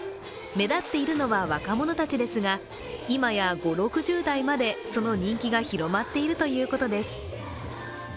目立っているのは若者たちですが、今や５０６０代までその人気が広まっているということです。